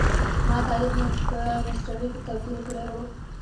ما تاریخ مې په میسترې کي تبد یل کړی وو.